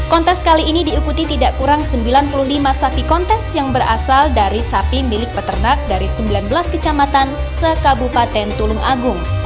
kontes kali ini diikuti tidak kurang sembilan puluh lima sapi kontes yang berasal dari sapi milik peternak dari sembilan belas kecamatan sekabupaten tulung agung